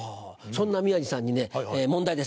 そんな宮治さんにね問題です。